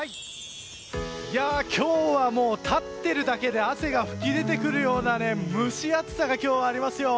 今日はもう立っているだけで汗が噴き出てくるような蒸し暑さがありますよ。